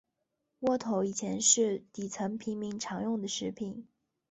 窝头以前是底层平民常用的食品。